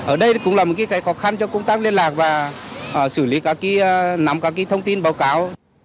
ở đây cũng là một cái khó khăn cho công tác liên lạc và xử lý các cái nắm các cái thông tin báo cáo